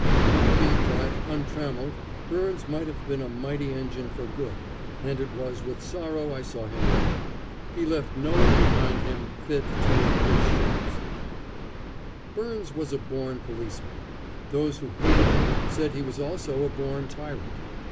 I believed that, untrammelled, Byrnes might have been a mighty engine for good, and it was with sorrow I saw him go. He left no one behind him fit to wear his shoes. [Illustration: Chief of Police Thomas Byrnes] Byrnes was a born policeman. Those who hated him said he was also a born tyrant.